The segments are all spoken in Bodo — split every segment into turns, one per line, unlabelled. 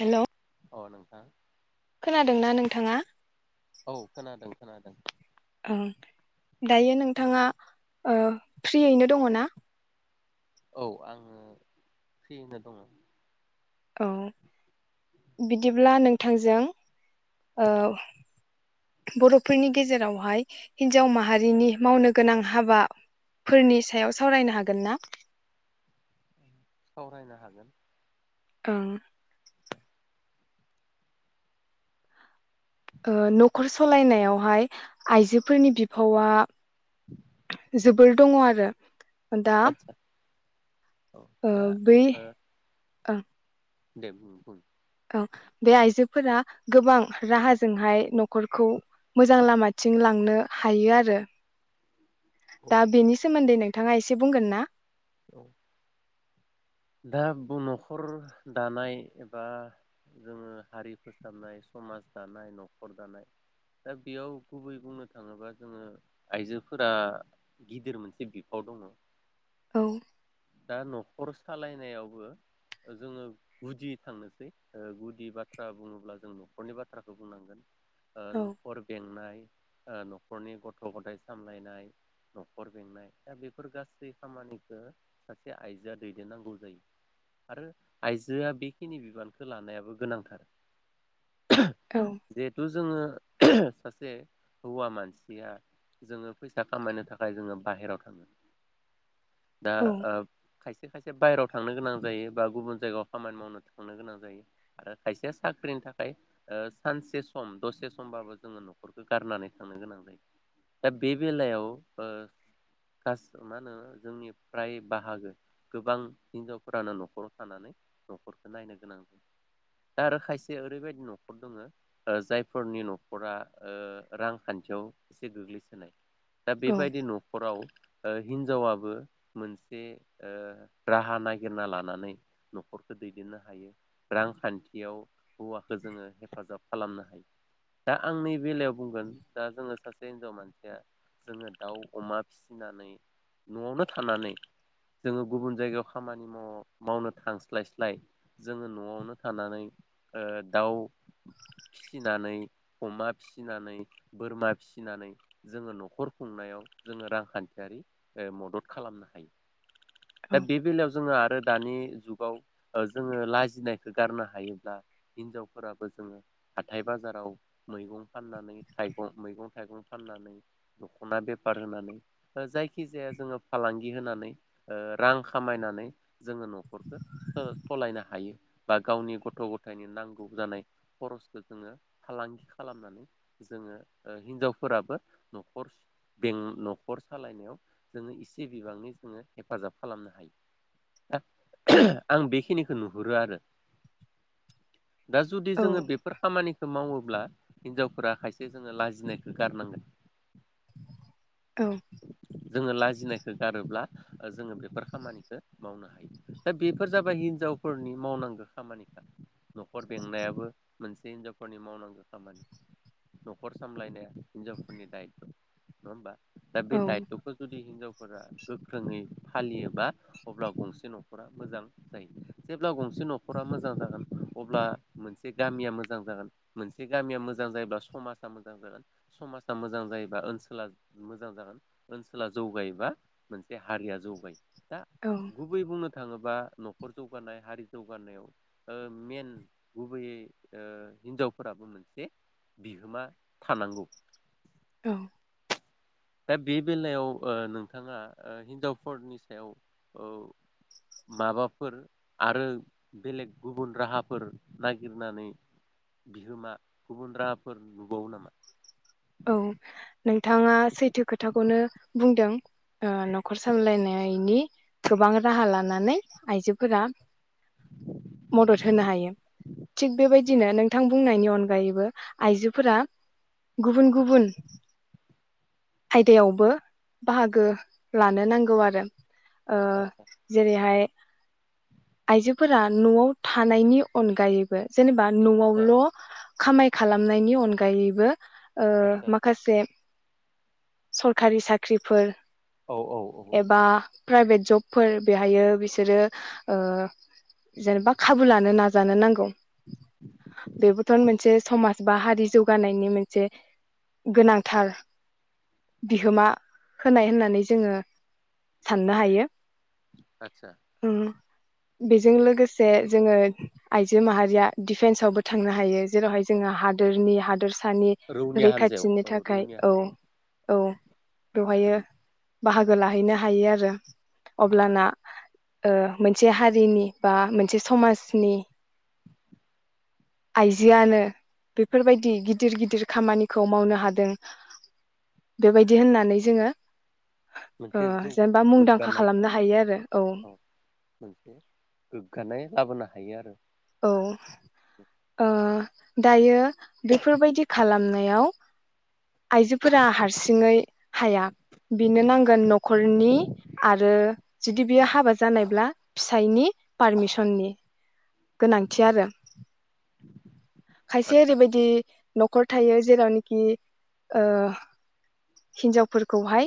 हेल'
अ नोंथां
खोनादोंना नोंथाङा?
औ खोनादों खोनादों।
ओं दायो नोंथाङा ओ फ्रियैनो दङ ना?
औ आङो फ्रि यैनो दङ।
औ बिदिब्ला नोंथांजों ओ बर'फोरनि गेजेरावहाय हिन्जाव माहारिनि मावनो गोनां हाबाफोरनि सायाव सावरायनो हागोन ना?
सावरायनो हागोन।
औ ओ न'खर सलायनायावहाय आइजोफोरनि बिफावा‌ जोबोर दङ आरो। दा
आदसा औ दा ओ
ओह।
दे बुं‌ बुं
औ बे आइजोफोरा गोबां राहाजोंहाय न'खरखौ मोजां लामाथिं लांनो हायो आरो।
औ
दा बेनि सोमोनदै नों‌ थाङा इसे बुंगोन ना।
औ दा बुन'खर दानाय एबा जोंङो हारि फोसाबनाय समाज दानाय न'खर दानाय दा बेयाव गुबै बुंनो थाङोबा जोंङो आइजोफोरा गिदिर मोनसे बिफाव दङ। दा नख खरस सालायनायावबो जोंङो गुदि थांनोसै ओ गुदि बाथ्रा बुङोंब्ला जों न'खरनि बाथ्राखौ बुंनांगोन। ओ न'खर बेंनाय। ओ न'खरनि गथ' गथाइ सामलायनाय न'खर बेंनाय दा बेफोर गासै खामानिखौनो सासे आइजोआ। दैदेनेनांगौ जायो आरो आइजोआ बेखिनि बिबानखौ लानायाबो गोनांथार। जेहुतु जोंङो सासे हौवा मानसिया जोंङो फैसा खामायनो थाखाय जोंङो बाहेरायाव थाङो। दा ओ खायस खायसे बायहेराव थांनो गोनां जायो बा गुबुन जायगायाव खामानि मावनो थांनो गोनां जायो आरो खायसे साख्रिनि थाखाय ओ सानसे सम दसे समबाबो जोंङो न'खरखौ गारनानै थांनो गोनां जायो दा बे बेलायाव ओ गास मा होनो जोंनि फ्राय बाहागो गोबां हिनजावफोरानो न'खराव थानानै न'खरखौ नायनो गोनां दा आरो खायसे ओरैबायदि न'खर दोङो ओ जायफोरनि न'खरा ओ रांखान्थियाव इसे गोग्लैसोनाय। दा बेबायदि न'खराव ओ हिनजावाबो मोनसे ओ राहा नागिरना लानानै न'खरखो दैदेनलांनो हायो। रांखान्थियाव हौवाखो जोंङो हेफाजाब खालामनो हायो दा आंनि बेलायाव बुंगोन दा जोंङो सासे हिनजाव मानसिया जोंङो दाउ अमा फिसिनानै न'आवनो थानानै जोंङो गुबुन जायगायाव खामानि मावो मावनो थांस्लायस्लाय जोंङो न'आवनो थानानै ओ दाउ फिनानै अमा फिनानै बोरमा फिनानै जोंङो न'खर खुंनायाव जोंङो रांखान्थियारि मदद खालामनो हायो। दा बे बेलायाव जोंङो आरो। दानि जुगाव ओ जोंङो लाजिनायखौ गारनो हायोब्ला हिनजावफोराबो जों हाथाय बाजाराव मैगं फाननानै थाइगं मैगं थाइगं फाननानै दख'ना बेपार होनानै जायखि जाया जोंङो फालांगि होनानै। ओ रां खामायनानै जोंङो न'खरखो जोंङो सलायनो हायो बा गावनि गथ' गथायनि नांगौ जानाय खरसखो जोंङो फालांगि खालामनानै जोंङो ओ हिनजावफोराबो न'खर बें न'खर सालायनायाव जोंङो इसे बिबाङनि जोंङो हेफाजाब खालामनो हायो। आं बेखिनिख नुहुरो आरो। दा जुदि जोंङो बेफोर खामानिख मावोब्ला हिनजावफोरा खायसे जोंङो लाजिनायखो गारनांगोन।
औ।
जोंङो लाजिनायखो गारोब्ला ओ जोंङो बेफोर खामानिखो मावनो हायो दा बेफोर जाबाय हिनजावफोरनि मावनांगो खामानिखा न'खर बेंनायाबो मोनसे हिनजावफोरनि मावनांगौ खामानि न'खर सामलायनाया हिनजावफोरनि दायत' नङा होमबा। दा बे दायतखौ जुदि हिनजावफोरा गो नि फालियोबा अब्ला गंसे नखरा मोजां जायो जेब्ला गंसे नखरा मोजां जागोन अब्ला मोनसे गामिया मोजां जागोन मोनसे गामिया मोजां जायोब्ला समाजा मोजां जागोन समाजा मोजां जायोबा ओनसोला मोजां जागोन ओनसोला जौगायोबा मोनसे हारिया जौगायो। दा गुबै बुंनो थाङोबा न'खर जौगानाय हारि जौगानायाव मेन गुबैयै हिनजावफोराबो मोनसे बिहोमा थानांगौ।
औ।
दा बे बेलायाव नोंथाङा हिनजावफोरनि सायाव माबाफोर आरो बेलेग गुबुन राहाफोर नागिरनानै बिहोमा गुबुन राहाफोर नुबावो नामा।
औ नोंथाङा सैथो खोथाखौनो बुंदों ओ न'खर सालायलायनायनि गोबां राहा लानानै आइजोफोरा मदद होनो हायो थिग बेबायदिनो नोंथां बुंनायनि अनगायैबो आइजोफोरा गुबुन गुबुन आयदायावबो बाहागो लानो नांगौ आरो। ओ
आदसा
जेरैहाय आइजोफोरा नआव थानायनि अनगायैबो जेनेबा
आदसा
न'आवल' खामाय खालामनायनि अनगायैबो ओ
आदसा
माखासे सरखारि साख्रिफोर
औ औ औ
एबा प्राइभेट जब। फोर बेहायो बिसोरो ओ जेनेबा खाबु लानो नाजानो नांगौ। बेबोथ' मोनसे समाज बा हारि जौगानायनि मोनसे गोनांथार बिहोमा होनाय होननानै जोङो साननो हायो।
आत्सा।
उम बेजों लोगोसे जोङो आइजो माहारिया दिडफेन्सआवबो थांनो हायो जेरावहाय जोङो हादोरनि हादोरस सानि
रौनिया हान्जायाव
रैखाथिनि
औ
थाखाय
रौनिया
औ
हान्जायाव
औ बेवहायो बाहागो लाहैनो हायो आरो। [inaudible] अब्लाना ओ मोनसे हारिनि बा मोनसे समाजनि आइजोआनो बेफोरबायदि गिदिर गिदिर खामानिखौ मावनो हादों बेबायदि होननानै जोङो ओ
मोनसे जौ
जेनेबा मुंदांखा
दुग्गानाय
खालामनो हायो आरो
औ मोनसे गोग्गानाय लाबोना हायो आरो।
औ ओ दायो बेफोरबायदि खालामनो नायाव आइजोफोरा हारसिङै हाया बेनो नांगोन न'खरनि आरो जुदि बेयो हाबा जानायब्ला फिसायनि पारमिसननि गोनांथि आरो। खायसे
आदसा
ओरैबायदि न'खर थायो जेरावनोखि ओ हिन्जावफोरखौहाय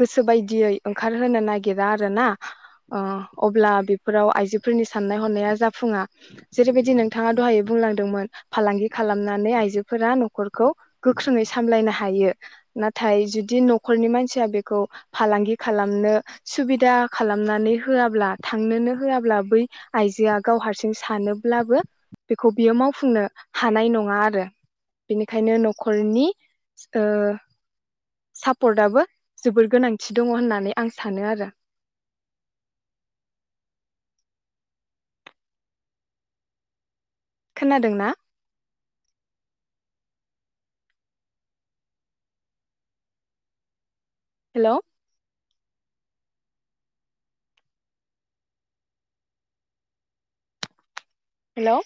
गोसो बायदियै ओंखारहोनो नागिरा आरोना ओ अब्ला बेफोराव आइजोफोरनि साननाय हनाया जा फुङा जेरैबायदि नोंथाङा दहायो बुंलांदोंमोन। फालांगि खालामनानै आइजोफोरा न'खरखौ गोख्रोङै सामलायनो हा हायो नाथाय जुदि न'खरनि मानसिया बेखौ फालांगि खालामनो सुबिदा खालामनानै होआब्ला थांनोनो होआब्ला बै आइजोआ गाव हारसिं सानोब्लाबो बेखौ बियो मावफुंनो हानाय नङा आरो बेनिखायनो न'खरनि ओ सापर्टआबो जोबोर गोनांथि दङ होननानै आं सानो आरो। खोनादोंना? हेलौ। हेलौ।